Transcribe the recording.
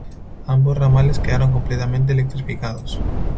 Ambos ramales quedaron completamente electrificados.